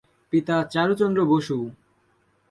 পিতা চারুচন্দ্র বসু।